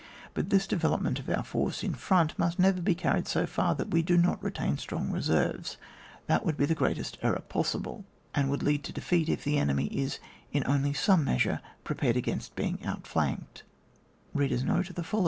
But this development of our force in front must never be carried so far that we do not retain strong reserves. That would be the greatest error possible. 102 ON WAR. and would lead to defeat, if the enemy is only in some measure prepared against being ont flanked.